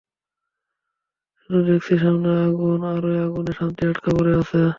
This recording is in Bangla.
শুধু দেখছি, সামনে আগুন, আর ঐ আগুনে শান্তি আটকা পরে আছে।